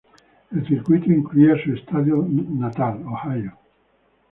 El circuito incluía su estado natal, Ohio.